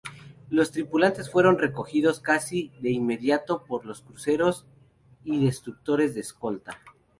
Los tripulantes fueron recogidos casi de inmediato por los cruceros y destructores de escolta.